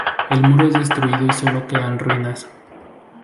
El muro es destruido y sólo quedan ruinas.